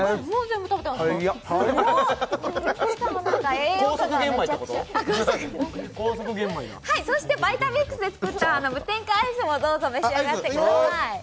栄養価がめちゃくちゃはいそしてＶｉｔａｍｉｘで作った無添加アイスもどうぞ召し上がってください